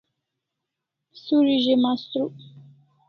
Suri ze mastruk